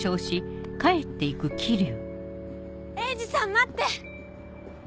鋭治さん待って！